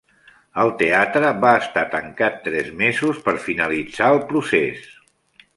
El teatre va estar tancat tres mesos per finalitzar el procés.